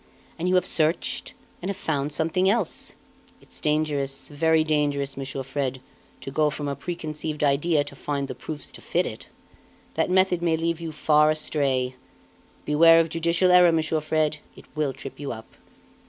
And you have searched, and have found something else. It's dangerous, very dangerous, Monsieur Fred, to go from a preconceived idea to find the proofs to fit it. That method may lead you far astray. Beware of judicial error, Monsieur Fred, it will trip you up!"